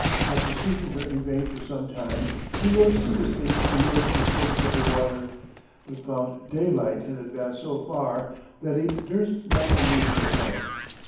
After seeking her in vain for some time, he rowed some distance and rose to the surface of the water, but found daylight had advanced so far that he durst not renew the attempt.